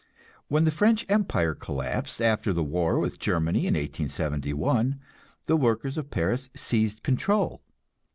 When the French empire collapsed, after the war with Germany in 1871, the workers of Paris seized control.